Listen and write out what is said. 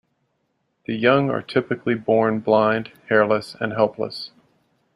The young are typically born blind, hairless, and helpless.